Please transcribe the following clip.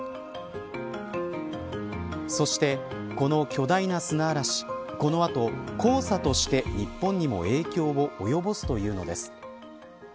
そして、この巨大な砂嵐この後、黄砂として日本にも影響を及ぼすというのです。